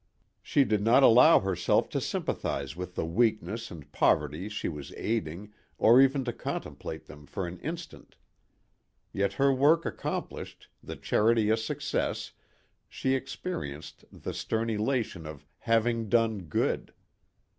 She did not allow herself to sympathise with the weakness and poverties she was aiding or even to contemplate them for an instant. Yet her work accomplished, the charity a success, she experienced the stern elation of "having done good."